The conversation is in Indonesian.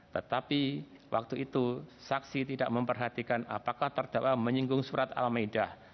tetapi waktu itu saksi tidak memperhatikan apakah terdakwa menyinggung surat al maidah